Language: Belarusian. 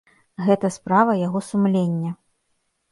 Гэта справа яго сумлення.